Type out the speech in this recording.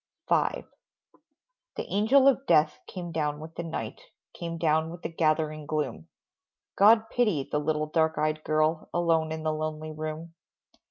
V. The Angel of Death came down with the night, Came down with the gathering gloom; God pity the little dark eyed girl, Alone in the lonely room.